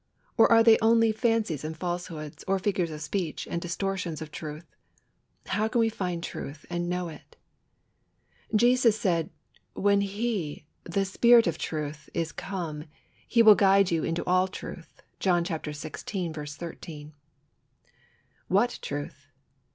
Or are they only fancies and falsehoods, or figures of speech and distortions of truth? How can we find truth and know it? Jesus said, "When He, the Spirit of Truth, is come, He will guide you into all truth" (John xvi. 13). What truth?